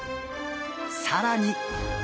さらに！